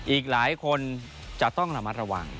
อีกหลายคนจะต้องระมัดระวัง